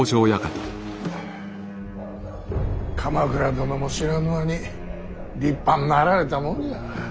鎌倉殿も知らぬ間に立派になられたもんじゃ。